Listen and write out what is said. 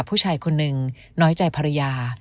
ผู้ชายคนนึงน้อยใจภรรยา